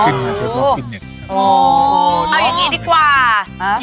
งี้ดีกว่าอยากรู้เมนูลดความอ้วนบ้าง